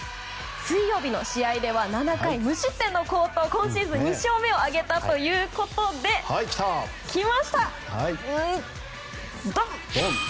水曜日の試合では７回無失点の好投で今シーズン２勝目を挙げたということで来ました、ドン！